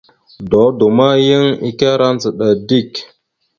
Dodo ma, yan ekará ndzəɗa dik.